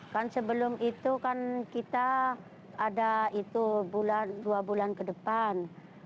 kan sebelum itu kan kita ada itu dua bulan ke depan